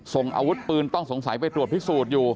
ส่งอาวุธปืนต้องสงสัยไปตรวจพิสูจน์อยู่